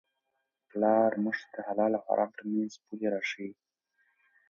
پلار موږ ته د حلال او حرام ترمنځ پولې را ښيي.